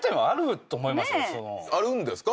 あるんですか？